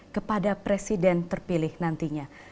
kepada presiden terpilih nantinya